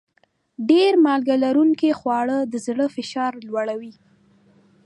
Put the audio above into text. ډېر مالګه لرونکي خواړه د زړه فشار لوړوي.